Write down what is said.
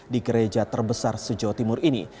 di gereja terbesar sejauh timur ini